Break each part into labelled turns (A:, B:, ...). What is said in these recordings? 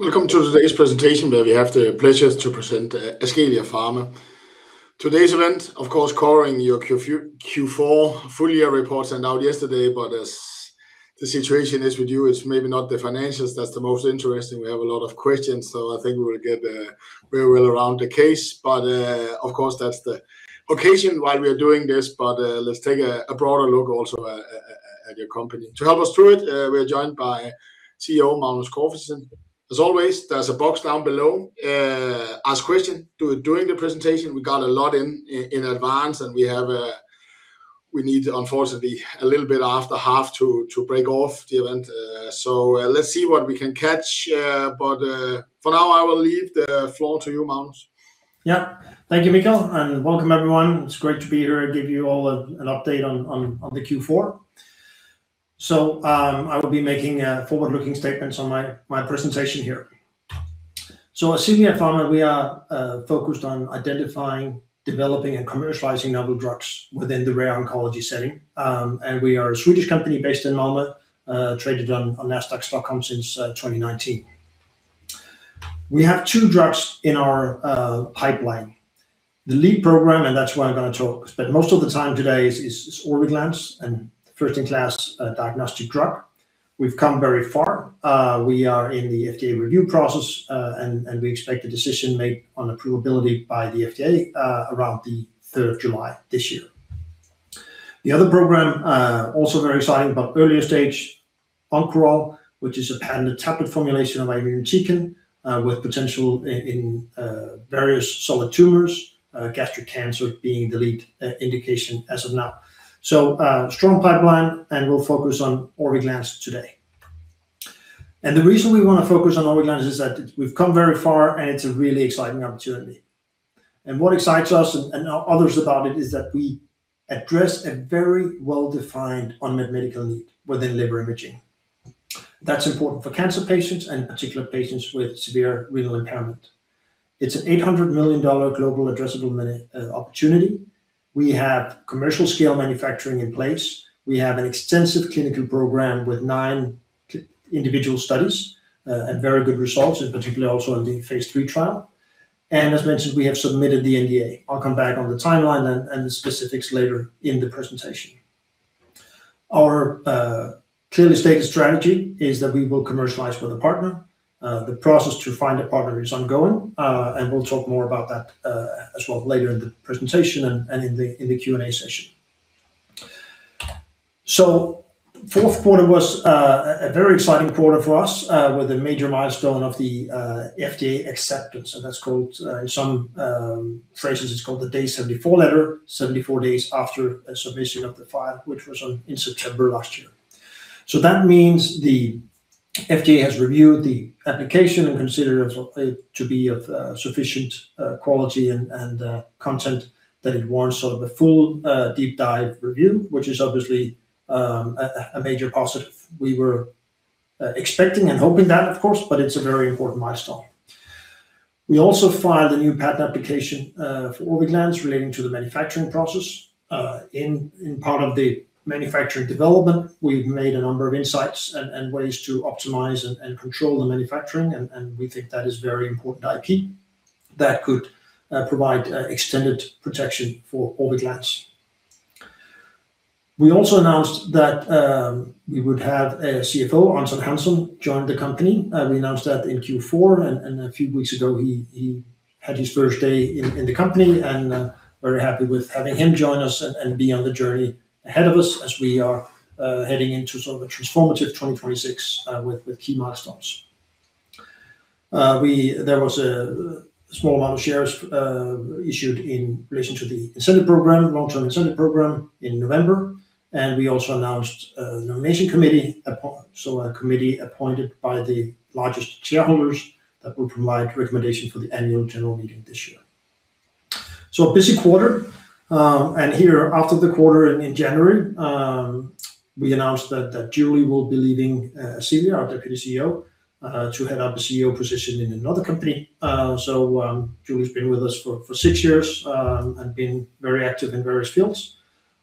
A: Welcome to today's presentation, where we have the pleasure to present Ascelia Pharma. Today's event, of course, covering your Q4 full year report sent out yesterday. But as the situation is with you, it's maybe not the financials that's the most interesting. We have a lot of questions, so I think we will get very well around the case. But, of course, that's the occasion why we are doing this. But, let's take a broader look also at your company. To help us through it, we're joined by CEO Magnus Corfitzen. As always, there's a box down below, ask questions during the presentation. We got a lot in advance, and we need, unfortunately, a little bit after half to break off the event. So let's see what we can catch, but for now, I will leave the floor to you, Magnus.
B: Yeah. Thank you, Mikael, and welcome, everyone. It's great to be here and give you all an update on the Q4. So, I will be making forward-looking statements on my presentation here. So at Ascelia Pharma we are focused on identifying, developing, and commercializing novel drugs within the rare oncology setting. And we are a Swedish company based in Malmö, traded on Nasdaq Stockholm since 2019. We have two drugs in our pipeline, the lead program, and that's where I'm going to talk, spend most of the time today is Orviglance and first-in-class diagnostic drug. We've come very far. We are in the FDA review process, and we expect a decision made on approvability by the FDA, around the third of July this year. The other program, also very exciting, but earlier stage Oncoral, which is a patented tablet formulation of immune checkpoint, with potential in various solid tumors, gastric cancer being the lead indication as of now. So, strong pipeline, and we'll focus on Orviglance today. And the reason we want to focus on Orviglance is that we've come very far, and it's a really exciting opportunity. And what excites us and others about it is that we address a very well-defined unmet medical need within liver imaging. That's important for cancer patients and particular patients with severe renal impairment. It's an $800 million global addressable market opportunity. We have commercial-scale manufacturing in place. We have an extensive clinical program with nine individual studies, and very good results, and particularly also in the phase III trial. As mentioned, we have submitted the NDA. I'll come back on the timeline and the specifics later in the presentation. Our clearly stated strategy is that we will commercialize with a partner. The process to find a partner is ongoing, and we'll talk more about that as well later in the presentation and in the Q&A session. Fourth quarter was a very exciting quarter for us, with a major milestone of the FDA acceptance, and that's called, in some phrases, it's called the Day 74 letter. 74 days after submission of the file, which was in September last year. So that means the FDA has reviewed the application and considered it to be of sufficient quality and content that it warrants sort of a full deep dive review, which is obviously a major positive. We were expecting and hoping that, of course, but it's a very important milestone. We also filed a new patent application for Orviglance relating to the manufacturing process. In part of the manufacturing development, we've made a number of insights and ways to optimize and control the manufacturing, and we think that is very important IP that could provide extended protection for Orviglance. We also announced that we would have a CFO, Hansson joined the company. We announced that in Q4, and a few weeks ago, he had his first day in the company and very happy with having him join us and be on the journey ahead of us as we are heading into sort of a transformative 2026 with key milestones. We there was a small amount of shares issued in relation to the incentive program, long-term incentive program in November, and we also announced a nomination committee, so a committee appointed by the largest shareholders that will provide recommendation for the annual general meeting this year. So a busy quarter, and here after the quarter in January, we announced that Julie will be leaving Ascelia, our Deputy CEO, to head up the CEO position in another company. So, Julie's been with us for, for six years, and been very active in various fields.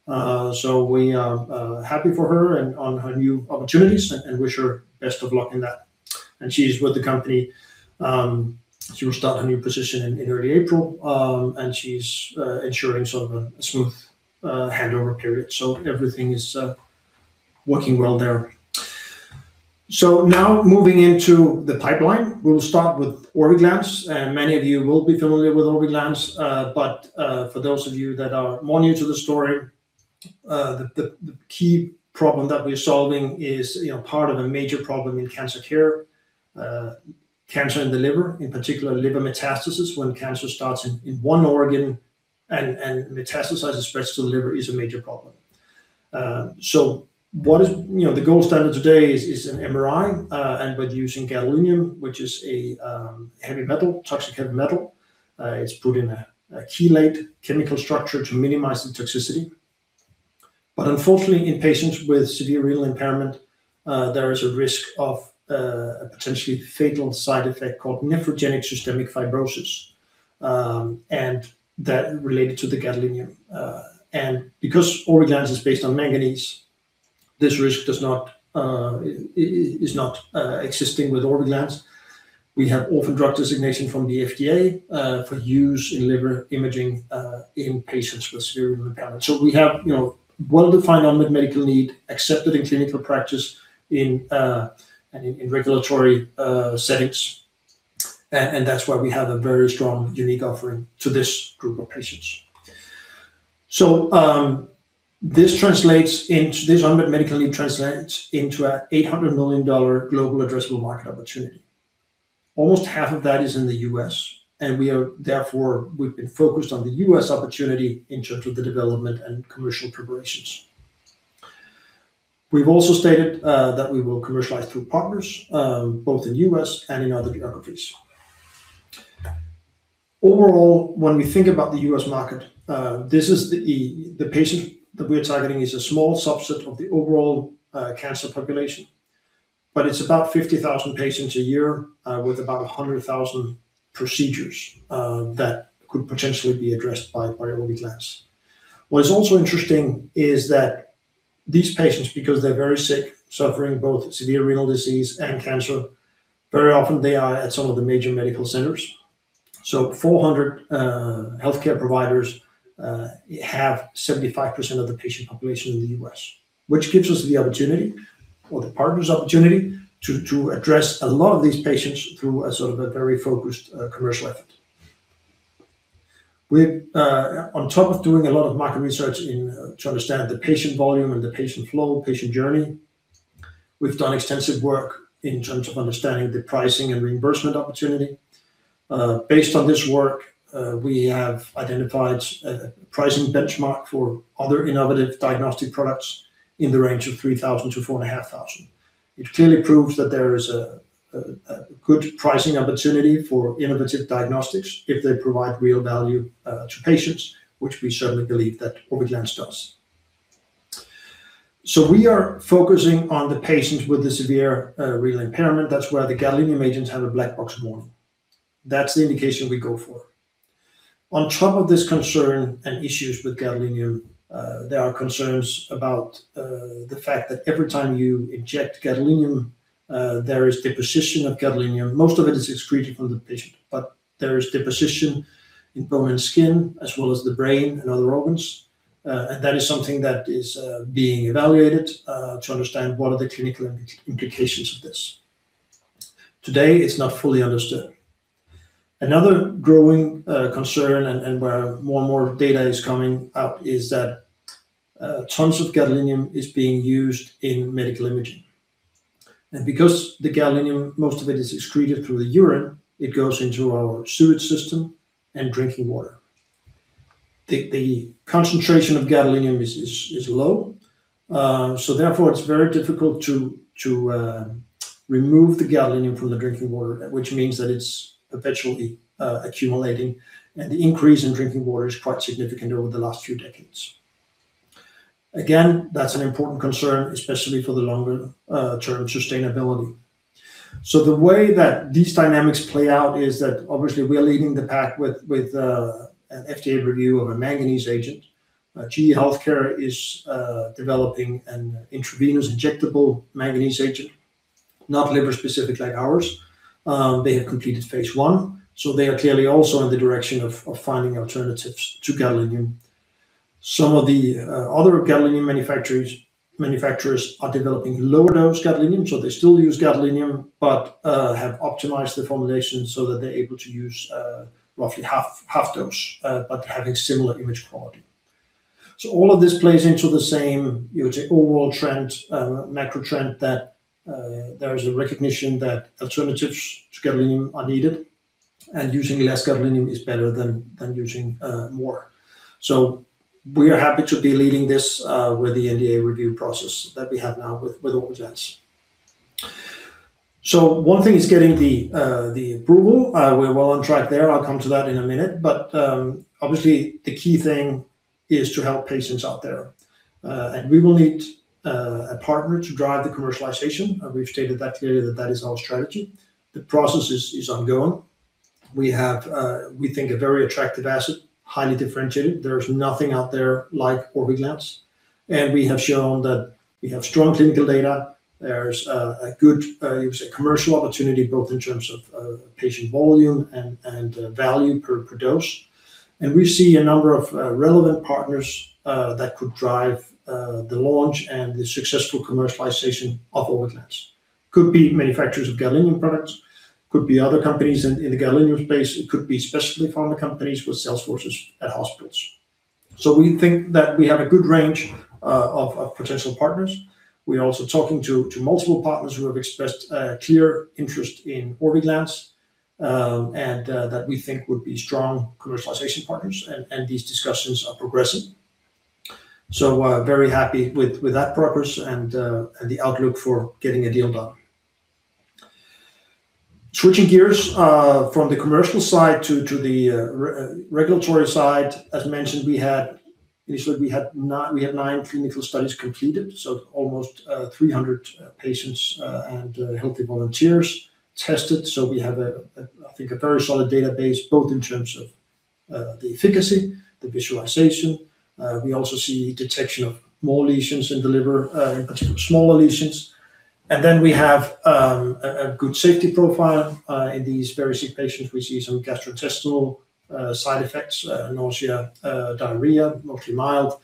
B: So we are happy for her and on her new opportunities and wish her best of luck in that. And she's with the company, she will start her new position in, in early April. And she's ensuring sort of a smooth handover period. So everything is working well there. So now moving into the pipeline, we'll start with Orviglance, and many of you will be familiar with Orviglance. But for those of you that are more new to the story, the key problem that we're solving is, you know, part of a major problem in cancer care, cancer in the liver, in particular, liver metastasis, when cancer starts in one organ and metastasizes and spreads to the liver, is a major problem. You know, the gold standard today is an MRI, and with using gadolinium, which is a heavy metal, toxic heavy metal, it's put in a chelate chemical structure to minimize the toxicity. But unfortunately, in patients with severe renal impairment, there is a risk of a potentially fatal side effect called nephrogenic systemic fibrosis, and that related to the gadolinium. And because Orviglance is based on manganese-... This risk does not, is not, existing with Orviglance. We have orphan drug designation from the FDA, for use in liver imaging, in patients with severe impairment. So we have, you know, well-defined unmet medical need, accepted in clinical practice in, and in regulatory, settings. And, and that's why we have a very strong, unique offering to this group of patients. So, this translates into this unmet medical need translates into a $800 million global addressable market opportunity. Almost half of that is in the U.S., and we are therefore, we've been focused on the U.S. opportunity in terms of the development and commercial preparations. We've also stated, that we will commercialize through partners, both in U.S. and in other geographies. Overall, when we think about the U.S. market, this is the patient that we are targeting is a small subset of the overall cancer population, but it's about 50,000 patients a year, with about 100,000 procedures that could potentially be addressed by Orviglance. What is also interesting is that these patients, because they're very sick, suffering both severe renal disease and cancer, very often they are at some of the major medical centers. So 400 healthcare providers have 75% of the patient population in the U.S., which gives us the opportunity or the partners opportunity to address a lot of these patients through a sort of a very focused commercial effort. We're on top of doing a lot of market research in to understand the patient volume and the patient flow, patient journey. We've done extensive work in terms of understanding the pricing and reimbursement opportunity. Based on this work, we have identified a pricing benchmark for other innovative diagnostic products in the range of $3,000-$4,500. It clearly proves that there is a good pricing opportunity for innovative diagnostics if they provide real value to patients, which we certainly believe that Orviglance does. So we are focusing on the patients with the severe renal impairment. That's where the gadolinium agents have a black box warning. That's the indication we go for. On top of this concern and issues with gadolinium, there are concerns about the fact that every time you inject gadolinium, there is deposition of gadolinium. Most of it is excreted from the patient, but there is deposition in bone and skin, as well as the brain and other organs. And that is something that is being evaluated to understand what are the clinical implications of this. Today, it's not fully understood. Another growing concern and where more and more data is coming out is that tons of gadolinium is being used in medical imaging. And because the gadolinium, most of it is excreted through the urine, it goes into our sewage system and drinking water. The concentration of gadolinium is low, so therefore, it's very difficult to remove the gadolinium from the drinking water, which means that it's perpetually accumulating, and the increase in drinking water is quite significant over the last few decades. Again, that's an important concern, especially for the longer term sustainability. So the way that these dynamics play out is that obviously we are leading the pack with an FDA review of a manganese agent. GE Healthcare is developing an intravenous injectable manganese agent, not liver specific like ours. They have completed phase I, so they are clearly also in the direction of finding alternatives to gadolinium. Some of the other gadolinium manufacturers are developing lower dose gadolinium, so they still use gadolinium, but have optimized the formulation so that they're able to use roughly half dose, but having similar image quality. So all of this plays into the same, you would say, overall trend, macro trend, that there is a recognition that alternatives to gadolinium are needed, and using less gadolinium is better than using more. So we are happy to be leading this with the NDA review process that we have now with Orviglance. So one thing is getting the approval. We're well on track there. I'll come to that in a minute. But obviously, the key thing is to help patients out there. And we will need a partner to drive the commercialization. We've stated that clearly, that that is our strategy. The process is ongoing. We have, we think, a very attractive asset, highly differentiated. There's nothing out there like Orviglance, and we have shown that we have strong clinical data. There's a good, you could say, commercial opportunity, both in terms of patient volume and value per dose. And we see a number of relevant partners that could drive the launch and the successful commercialization of Orviglance. Could be manufacturers of gadolinium products, could be other companies in the gadolinium space. It could be specifically pharma companies with sales forces at hospitals. So we think that we have a good range of potential partners. We're also talking to multiple partners who have expressed clear interest in Orviglance, and that we think would be strong commercialization partners, and these discussions are progressing. So, very happy with that progress and the outlook for getting a deal done. Switching gears from the commercial side to the regulatory side. As mentioned, we had initially nine clinical studies completed, so almost 300 patients and healthy volunteers tested. So we have, I think, a very solid database, both in terms of the efficacy, the visualization. We also see detection of more lesions in the liver, in particular smaller lesions. And then we have a good safety profile in these very sick patients. We see some gastrointestinal side effects, nausea, diarrhea, mostly mild,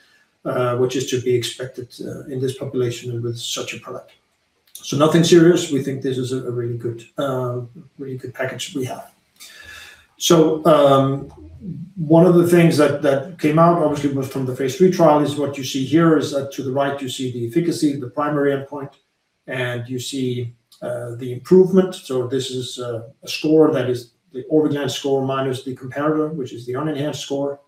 B: which is to be expected in this population and with such a product. So nothing serious. We think this is a really good, really good package we have. One of the things that came out obviously was from the phase III trial, is what you see here is that to the right, you see the efficacy, the primary endpoint, and you see the improvement. So this is a score that is the over enhanced score minus the comparator, which is the unenhanced score,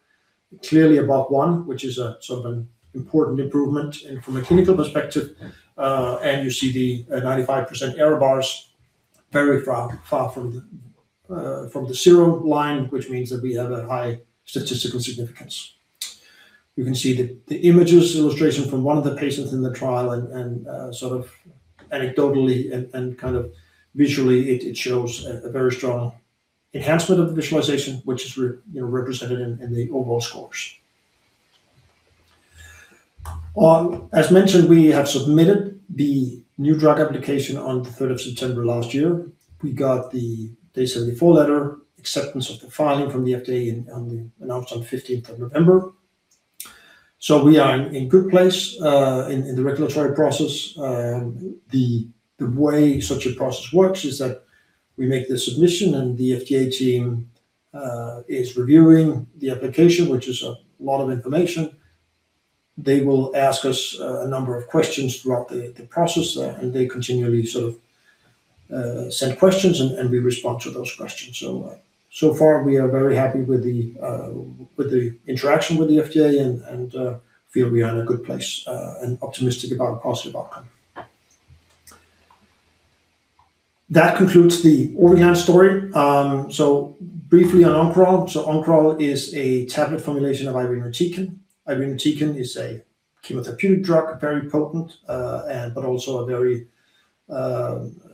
B: clearly above one, which is a sort of an important improvement and from a clinical perspective, and you see the 95% error bars very far from the zero line, which means that we have a high statistical significance. You can see the images illustration from one of the patients in the trial and sort of anecdotally and kind of visually, it shows a very strong enhancement of the visualization, which is, you know, represented in the overall scores. As mentioned, we have submitted the new drug application on the 3rd of September last year. We got the Day 74 letter acceptance of the filing from the FDA, announced on the 15th of November. So we are in good place in the regulatory process. The way such a process works is that we make the submission and the FDA team is reviewing the application, which is a lot of information. They will ask us a number of questions throughout the process, and they continually sort of send questions and we respond to those questions. So far, we are very happy with the interaction with the FDA and feel we are in a good place and optimistic about a positive outcome. That concludes the Orviglance story. So briefly on Oncoral. So Oncoral is a tablet formulation of irinotecan. Irinotecan is a chemotherapeutic drug, very potent, and but also a very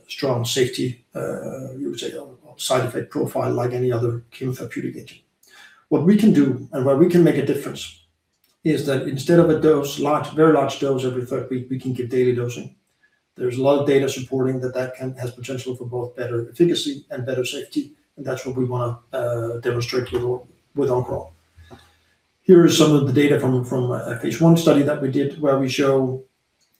B: strong safety, you would say, side effect profile like any other chemotherapeutic agent. What we can do and where we can make a difference is that instead of a dose large, very large dose, every third week, we can give daily dosing. There's a lot of data supporting that, that can, has potential for both better efficacy and better safety, and that's what we want to demonstrate here with Oncoral. Here is some of the data from a phase I study that we did, where we show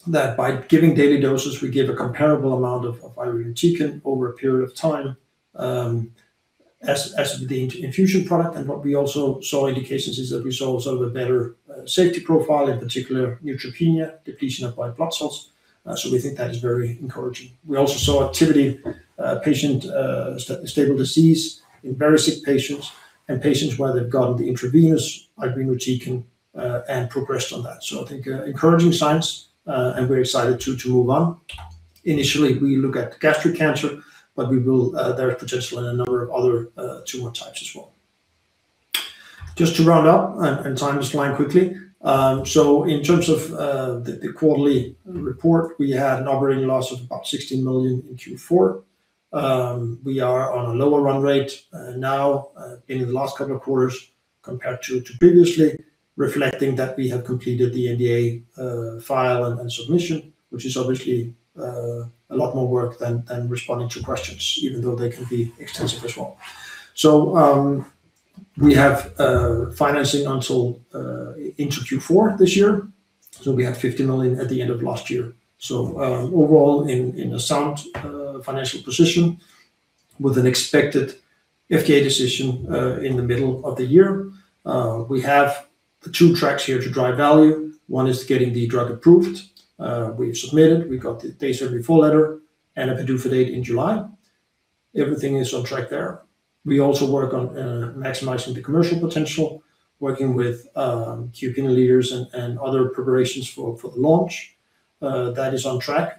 B: that by giving daily doses, we give a comparable amount of irinotecan over a period of time, as with the infusion product. And what we also saw in the cases is that we saw sort of a better safety profile, in particular neutropenia, depletion of white blood cells. So we think that is very encouraging. We also saw activity, patient stable disease in very sick patients and patients where they've gotten the intravenous irinotecan, and progressed on that. So I think encouraging signs, and we're excited to move on. Initially, we look at gastric cancer, but we will, there are potential in a number of other, tumor types as well. Just to round up, and time is flying quickly. So in terms of the quarterly report, we had an operating loss of about 16 million in Q4. We are on a lower run rate, now, in the last couple of quarters compared to previously, reflecting that we have completed the NDA file and submission, which is obviously a lot more work than responding to questions, even though they can be extensive as well. So, we have financing until into Q4 this year. So we have 50 million at the end of last year. Overall, in a sound financial position with an expected FDA decision in the middle of the year. We have two tracks here to drive value. One is getting the drug approved. We've submitted, we got the Day 74 letter and a PDUFA date in July. Everything is on track there. We also work on maximizing the commercial potential, working with key opinion leaders and other preparations for the launch. That is on track.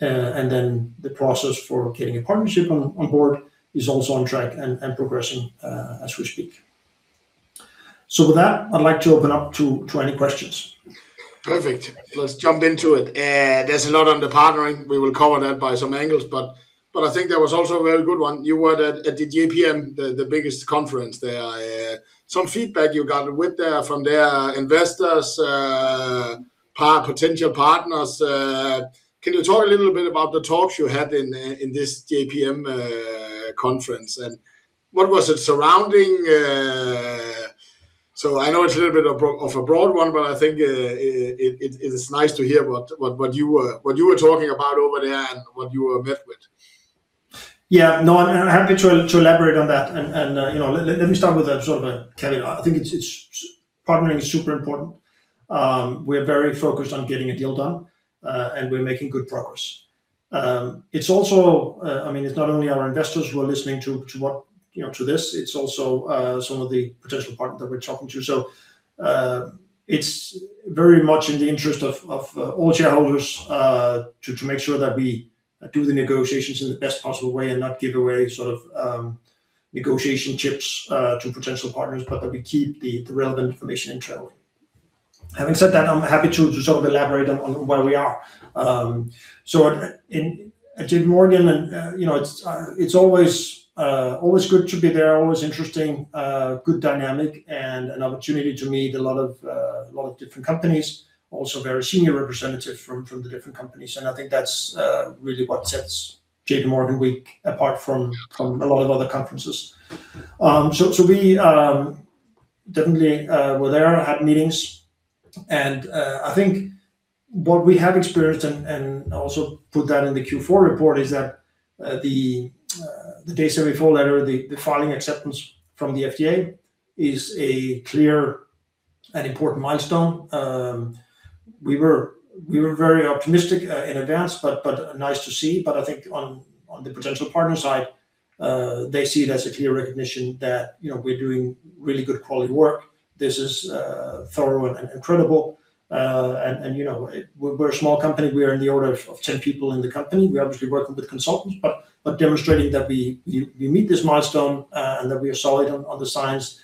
B: And then the process for getting a partnership on board is also on track and progressing as we speak. So with that, I'd like to open up to any questions.
A: Perfect. Let's jump into it. There's a lot on the partnering. We will cover that by some angles, but I think there was also a very good one. You were at the JPM, the biggest conference there. Some feedback you got there from their investors, potential partners. Can you talk a little bit about the talks you had in this JPM conference, and what was the surrounding? So I know it's a little bit of a broad one, but I think it's nice to hear what you were talking about over there and what you were met with.
B: Yeah, no, and I'm happy to elaborate on that. And you know, let me start with a sort of a caveat. I think it's partnering is super important. We're very focused on getting a deal done, and we're making good progress. It's also, I mean, it's not only our investors who are listening to what you know to this, it's also some of the potential partners that we're talking to. So, it's very much in the interest of all shareholders to make sure that we do the negotiations in the best possible way and not give away sort of negotiation chips to potential partners, but that we keep the relevant information internal. Having said that, I'm happy to sort of elaborate on where we are. So at J.P. Morgan and, you know, it's, it's always, always good to be there, always interesting, good dynamic, and an opportunity to meet a lot of, a lot of different companies, also very senior representatives from, from the different companies. And I think that's, really what sets J.P. Morgan week apart from, from a lot of other conferences. So, so we, definitely, were there, had meetings and, I think what we have experienced and, and also put that in the Q4 report, is that, the, the Day 74 letter, the, the filing acceptance from the FDA is a clear and important milestone. We were, we were very optimistic, in advance, but, but nice to see. But I think on the potential partner side, they see it as a clear recognition that, you know, we're doing really good quality work. This is thorough and credible. And you know, we're a small company. We are in the order of 10 people in the company. We're obviously working with consultants, but demonstrating that we meet this milestone and that we are solid on the science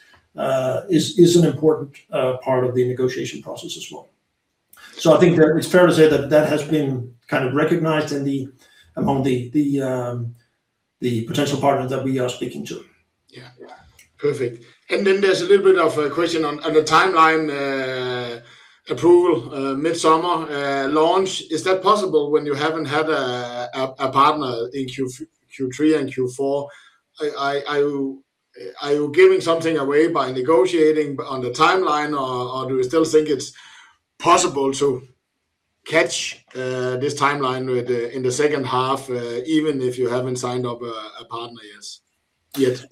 B: is an important part of the negotiation process as well. So I think that it's fair to say that that has been kind of recognized among the potential partners that we are speaking to.
A: Yeah. Perfect. And then there's a little bit of a question on the timeline, approval, midsummer, launch. Is that possible when you haven't had a partner in Q1, Q3 and Q4? Are you giving something away by negotiating on the timeline, or do you still think it's possible to catch this timeline in the second half even if you haven't signed up a partner yet?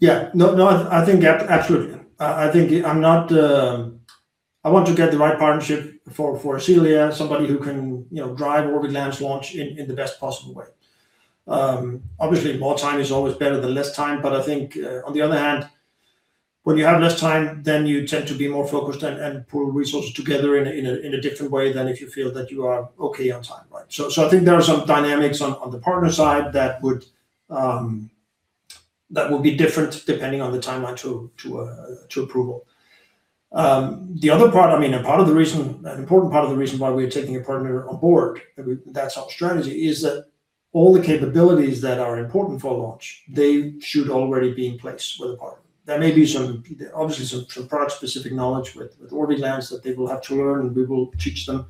B: Yeah. No, no, I think absolutely. I think I'm not... I want to get the right partnership for Ascelia, somebody who can, you know, drive Orviglance's launch in the best possible way. Obviously, more time is always better than less time, but I think on the other hand, when you have less time, then you tend to be more focused and pull resources together in a different way than if you feel that you are okay on timeline. So I think there are some dynamics on the partner side that will be different depending on the timeline to approval. The other part, I mean, and part of the reason, an important part of the reason why we are taking a partner on board, and that's our strategy, is that all the capabilities that are important for launch, they should already be in place with a partner. There may be some, obviously, some product-specific knowledge with Orviglance that they will have to learn, and we will teach them.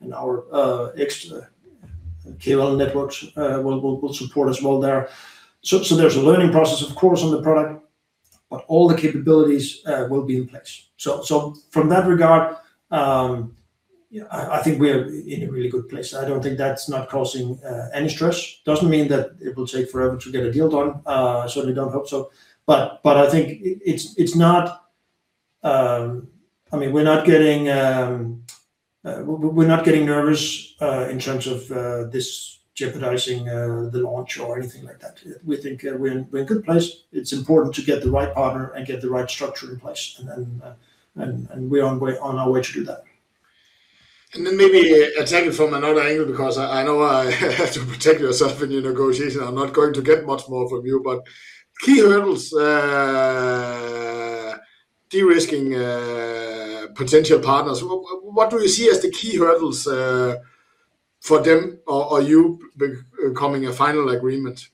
B: And our external networks will support as well there. So there's a learning process, of course, on the product, but all the capabilities will be in place. So from that regard, yeah, I think we are in a really good place. I don't think that's not causing any stress. Doesn't mean that it will take forever to get a deal done. Certainly don't hope so. But I think it's not. I mean, we're not getting nervous in terms of this jeopardizing the launch or anything like that. We think we're in good place. It's important to get the right partner and get the right structure in place, and then we're on our way to do that.
A: And then maybe attack it from another angle, because I know I have to protect yourself in your negotiation. I'm not going to get much more from you, but key hurdles, de-risking, potential partners, what do you see as the key hurdles, for them, or you be, coming a final agreement?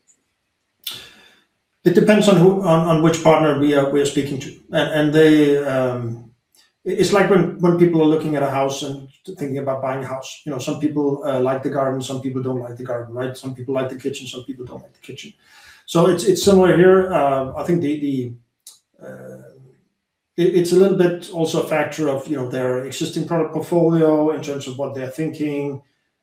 B: It depends on who, on which partner we are speaking to. It's like when people are looking at a house and thinking about buying a house, you know, some people like the garden, some people don't like the garden, right? Some people like the kitchen, some people don't like the kitchen. So it's similar here. I think it's a little bit also a factor of, you know, their existing product portfolio in terms of what they're thinking.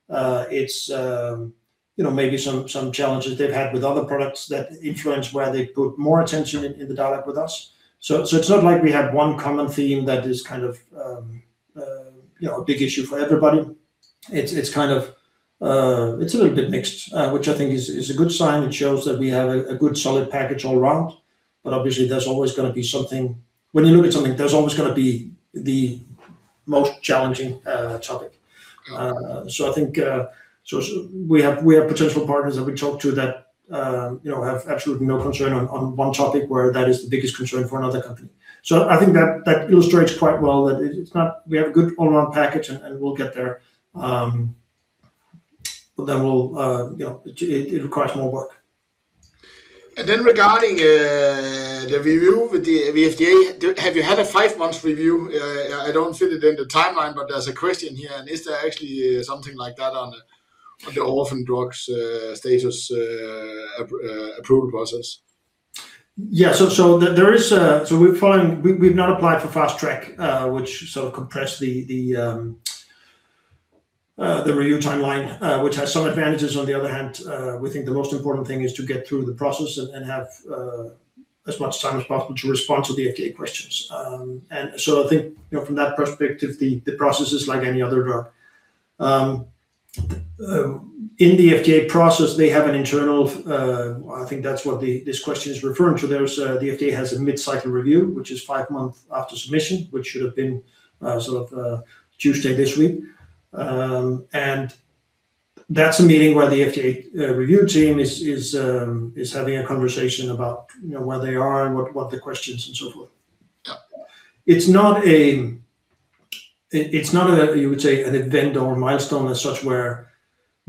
B: You know, maybe some challenges they've had with other products that influence where they put more attention in the dialogue with us. So it's not like we have one common theme that is kind of, you know, a big issue for everybody. It's kind of a little bit mixed, which I think is a good sign. It shows that we have a good solid package all around, but obviously there's always gonna be something... When you look at something, there's always gonna be the most challenging topic. So I think we have potential partners that we talk to that you know have absolutely no concern on one topic, where that is the biggest concern for another company. So I think that illustrates quite well that it's not-- we have a good all around package, and we'll get there. But then we'll you know it requires more work.
A: And then regarding the review with the FDA, have you had a five-month review? I don't fit it in the timeline, but there's a question here, and is there actually something like that on the orphan drugs status approval process?
B: Yeah. So there is a... So we're following. We've not applied for Fast Track, which sort of compressed the review timeline, which has some advantages. On the other hand, we think the most important thing is to get through the process and have as much time as possible to respond to the FDA questions. So I think, you know, from that perspective, the process is like any other drug. In the FDA process, they have an internal. I think that's what this question is referring to. There's the FDA has a mid-cycle review, which is five months after submission, which should have been sort of Tuesday this week. And-... That's a meeting where the FDA review team is having a conversation about, you know, where they are and what the questions and so forth.
A: Yeah.
B: It's not, you would say, an event or a milestone as such, where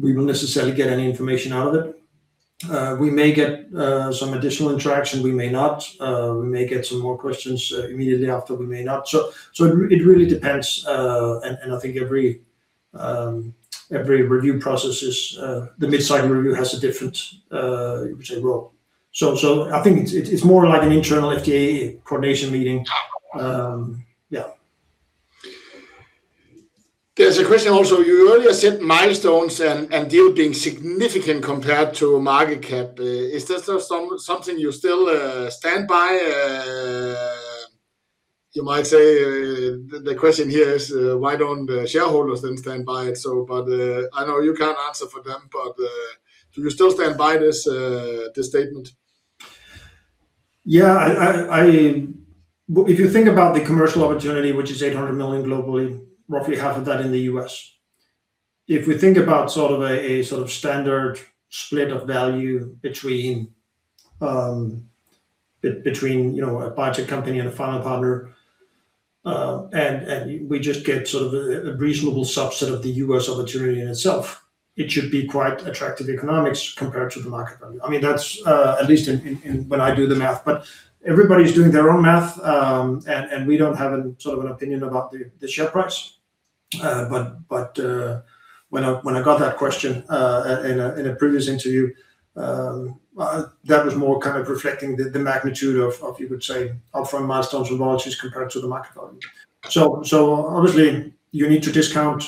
B: we will necessarily get any information out of it. We may get some additional interaction, we may not. We may get some more questions immediately after, we may not. So it really depends. I think every review process, the mid-cycle review has a different, you would say, role. So I think it's more like an internal FDA coordination meeting.
A: Ah.
B: Um, yeah.
A: There's a question also. You earlier said milestones and deal being significant compared to market cap. Is this still something you still stand by? You might say the question here is, why don't the shareholders then stand by it? But I know you can't answer for them, but do you still stand by this statement?
B: Yeah. I... If you think about the commercial opportunity, which is $800 million globally, roughly half of that in the U.S. If we think about sort of a sort of standard split of value between, you know, a biotech company and a pharma partner, and we just get sort of a reasonable subset of the U.S. opportunity in itself, it should be quite attractive economics compared to the market value. I mean, that's, at least in when I do the math, but everybody's doing their own math. And we don't have a sort of an opinion about the share price. But when I got that question in a previous interview, that was more kind of reflecting the magnitude of, you could say, upfront milestones and launches compared to the market value. So obviously, you need to discount,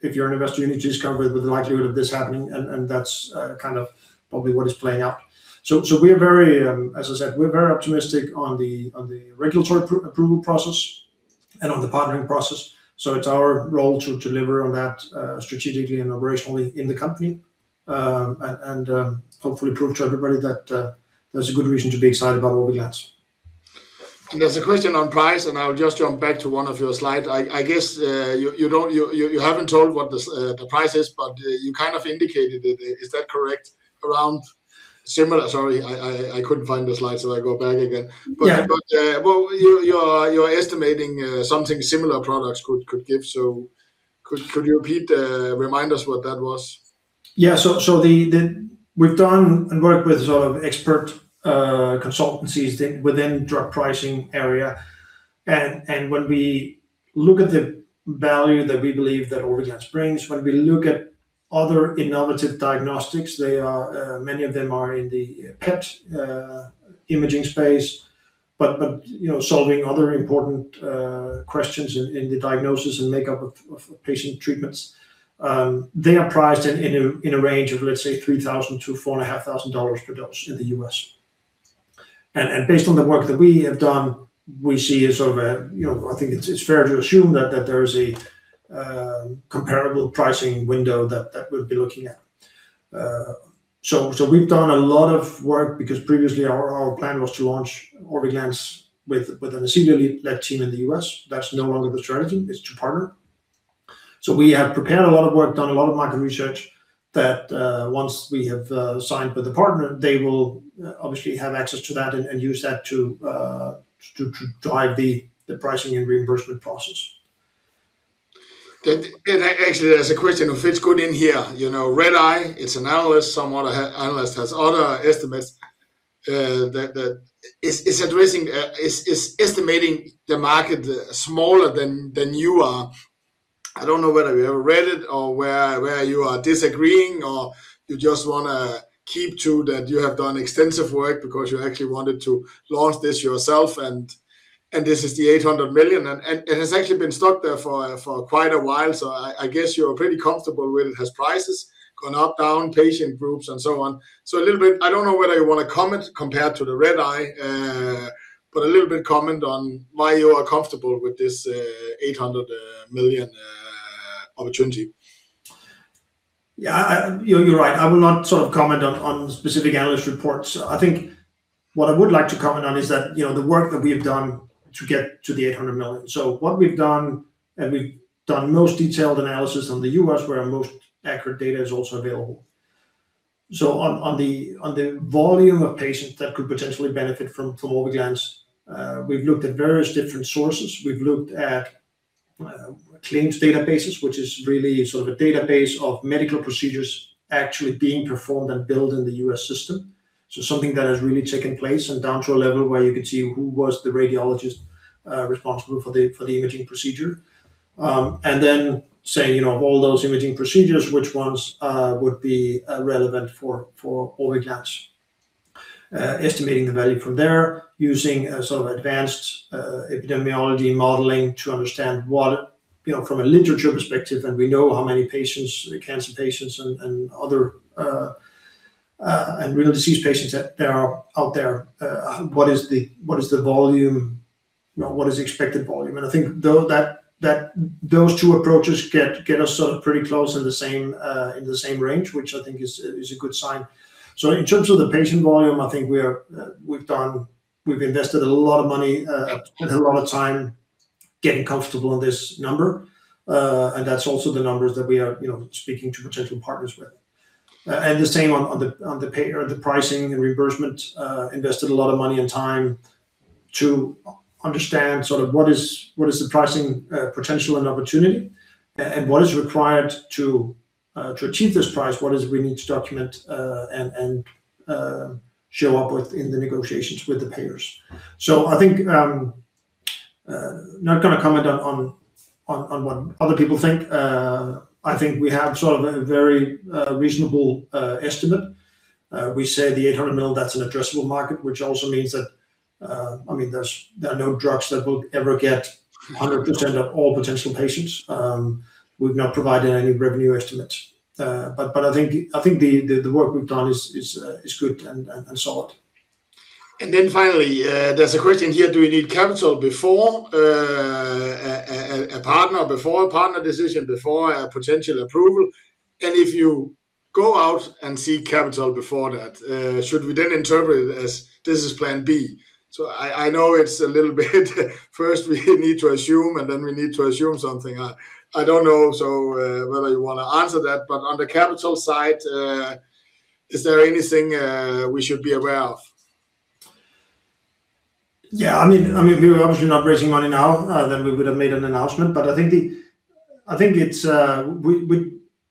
B: if you're an investor, you need to discount with the likelihood of this happening. And that's kind of probably what is playing out. So we are very, as I said, we're very optimistic on the regulatory approval process and on the partnering process. So it's our role to deliver on that strategically and operationally in the company. And hopefully prove to everybody that there's a good reason to be excited about Orviglance.
A: There's a question on price, and I'll just jump back to one of your slides. I guess, you haven't told what the price is, but you kind of indicated it. Is that correct? Around similar... Sorry, I couldn't find the slide, so I go back again.
B: Yeah.
A: But, well, you're estimating something similar products could give. So could you repeat, remind us what that was?
B: Yeah. So, we've done and worked with sort of expert consultancies within drug pricing area. And, when we look at the value that we believe that Orviglance brings, when we look at other innovative diagnostics, they are, many of them are in the PET imaging space. But, you know, solving other important questions in the diagnosis and makeup of patient treatments. They are priced in a range of, let's say, $3,000-$4,500 per dose in the US. And, based on the work that we have done, we see a sort of a, you know, I think it's fair to assume that there is a comparable pricing window that we'll be looking at. So we've done a lot of work, because previously our plan was to launch Orviglance with a senior-led team in the US. That's no longer the strategy, it's to partner. So we have prepared a lot of work, done a lot of market research, that once we have signed with the partner, they will obviously have access to that and use that to drive the pricing and reimbursement process.
A: That, and actually, there's a question that fits good in here. You know, Redeye, it's an analyst. Some analyst has other estimates that is estimating the market smaller than you are. I don't know whether you have read it or where you are disagreeing, or you just wanna keep to that you have done extensive work because you actually wanted to launch this yourself, and this is the $800 million. And it's actually been stuck there for quite a while, so I guess you're pretty comfortable with it. Has prices gone up, down, patient groups, and so on. A little bit, I don't know whether you want to comment compared to the Redeye, but a little bit comment on why you are comfortable with this 800 million opportunity.
B: Yeah, you're right. I will not sort of comment on specific analyst reports. I think what I would like to comment on is that, you know, the work that we have done to get to the $800 million. So what we've done, and we've done most detailed analysis on the U.S., where our most accurate data is also available. So on the volume of patients that could potentially benefit from Orviglance, we've looked at various different sources. We've looked at claims databases, which is really sort of a database of medical procedures actually being performed and billed in the U.S. system. So something that has really taken place and down to a level where you could see who was the radiologist responsible for the imaging procedure. And then say, you know, of all those imaging procedures, which ones would be relevant for Orviglance? Estimating the value from there, using a sort of advanced epidemiology modeling to understand what, you know, from a literature perspective, and we know how many patients, cancer patients and other and renal disease patients that there are out there. What is the volume? You know, what is the expected volume? And I think though that those two approaches get us sort of pretty close in the same range, which I think is a good sign. So in terms of the patient volume, I think we've done, we've invested a lot of money, a lot of time-... And that's also the numbers that we are, you know, speaking to potential partners with. And the same on the payer or the pricing and reimbursement, invested a lot of money and time to understand sort of what is the pricing potential and opportunity, and what is required to achieve this price? What is it we need to document and show up with in the negotiations with the payers? So I think not gonna comment on what other people think. I think we have sort of a very reasonable estimate. We say the $800 million, that's an addressable market, which also means that, I mean, there are no drugs that will ever get 100% of all potential patients. We've not provided any revenue estimates. But I think the work we've done is good and solid.
A: And then finally, there's a question here: Do we need capital before a partner, before a partner decision, before a potential approval? And if you go out and seek capital before that, should we then interpret it as this is plan B? So I know it's a little bit, first we need to assume, and then we need to assume something. I don't know, so whether you wanna answer that, but on the capital side, is there anything we should be aware of?
B: Yeah, I mean, we're obviously not raising money now, then we would have made an announcement. But I think it's,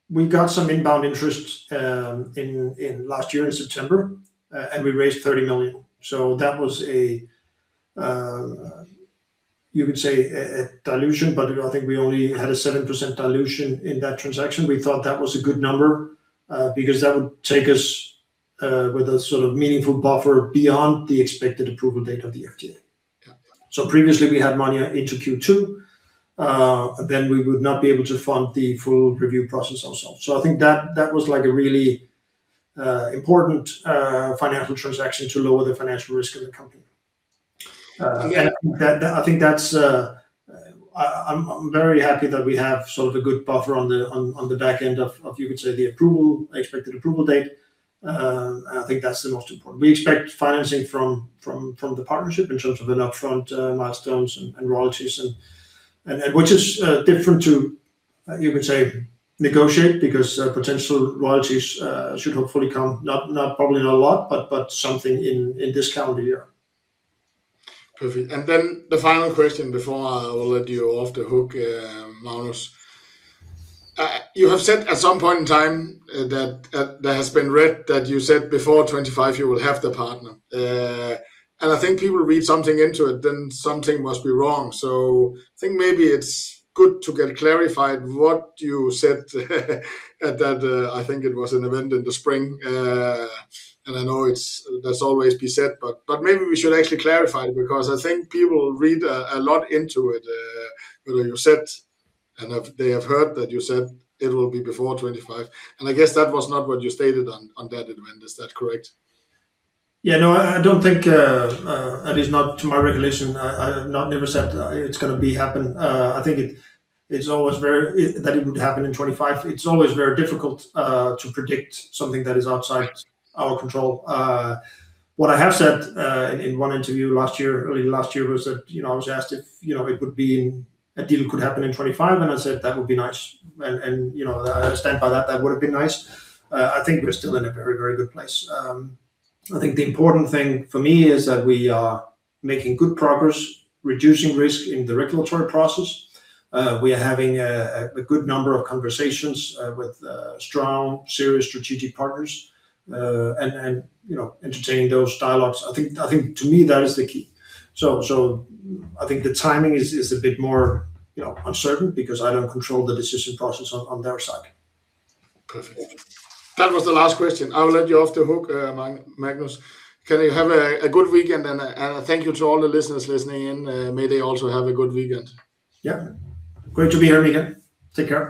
B: we got some inbound interest in last year, in September, and we raised 30 million. So that was a, you could say a dilution, but I think we only had a 7% dilution in that transaction. We thought that was a good number, because that would take us with a sort of meaningful buffer beyond the expected approval date of the FDA.
A: Yeah.
B: So previously we had money into Q2, then we would not be able to fund the full review process ourselves. So I think that was like a really important financial transaction to lower the financial risk of the company.
A: Yeah.
B: And I think that's, I'm very happy that we have sort of a good buffer on the back end of, you could say the approval, expected approval date. And I think that's the most important. We expect financing from the partnership in terms of an upfront, milestones and royalties and which is different to, you could say, negotiate, because potential royalties should hopefully come. Not probably not a lot, but something in this calendar year.
A: Perfect. And then the final question before I will let you off the hook, Magnus. You have said at some point in time that has been read, that you said before 2025, you will have the partner. And I think people read something into it, then something must be wrong. So I think maybe it's good to get clarified what you said, at that, I think it was an event in the spring. And I know it's, that's always be said, but, but maybe we should actually clarify it, because I think people read a, a lot into it, when you said, they have heard that you said it will be before 2025. And I guess that was not what you stated on that event. Is that correct?
B: Yeah. No, I don't think, at least not to my recollection, I have not never said it's gonna be happen. I think it, it's always very that it would happen in 2025. It's always very difficult to predict something that is outside our control. What I have said in one interview last year, early last year, was that, you know, I was asked if, you know, it would be in, a deal could happen in 2025, and I said, "That would be nice." And, you know, I stand by that, that would have been nice. I think we're still in a very, very good place. I think the important thing for me is that we are making good progress, reducing risk in the regulatory process. We are having a good number of conversations with strong, serious strategic partners. And you know, entertaining those dialogues, I think, I think to me that is the key. So I think the timing is a bit more, you know, uncertain because I don't control the decision process on their side.
A: Perfect. That was the last question. I will let you off the hook, Magnus. Can you have a good weekend, and thank you to all the listeners listening in. May they also have a good weekend.
B: Yeah. Great to be here again. Take care.